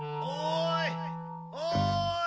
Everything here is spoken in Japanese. おい！